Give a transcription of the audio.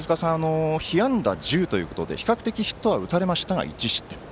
被安打１０ということで比較的ヒットは打たれましたが１失点。